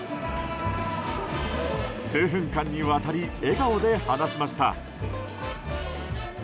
数分間にわたり笑顔で話しました。